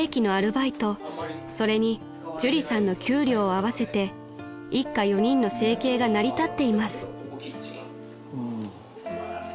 ［それに朱里さんの給料を合わせて一家４人の生計が成り立っています］